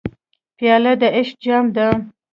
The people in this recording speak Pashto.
پیاله د عشق جام ده.